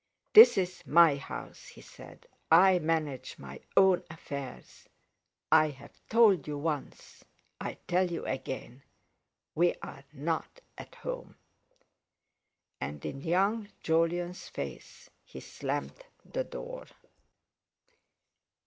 "This is my house," he said; "I manage my own affairs. I've told you once—I tell you again; we are not at home." And in young Jolyon's face he slammed the door.